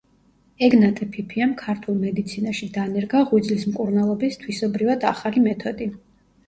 ეგნატე ფიფიამ ქართულ მედიცინაში დანერგა ღვიძლის მკურნალობის თვისობრივად ახალი მეთოდი.